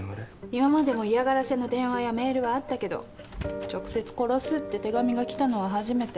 今までも嫌がらせの電話やメールはあったけど直接殺すって手紙が来たのは初めて。